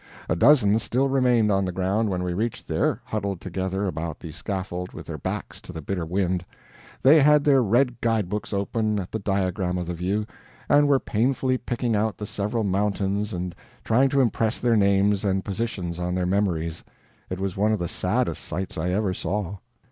A dozen still remained on the ground when we reached there, huddled together about the scaffold with their backs to the bitter wind. They had their red guide books open at the diagram of the view, and were painfully picking out the several mountains and trying to impress their names and positions on their memories. It was one of the saddest sights I ever saw.